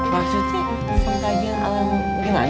maksudnya pengajian alam gimana ustadz